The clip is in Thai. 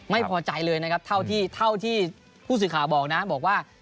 ไม่พอใจเลยนะครับเท่าที่ผู้สื่อข่าวบอกนะบอกว่า